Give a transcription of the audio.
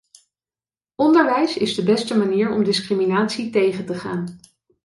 Onderwijs is de beste manier om discriminatie tegen te gaan.